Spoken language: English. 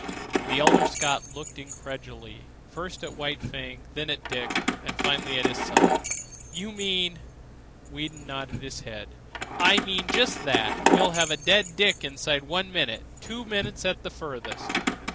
The elder Scott looked incredulously, first at White Fang, then at Dick, and finally at his son. "You mean ...?" Weedon nodded his head. "I mean just that. You'd have a dead Dick inside one minute—two minutes at the farthest."